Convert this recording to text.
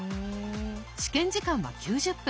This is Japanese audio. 試験時間は９０分。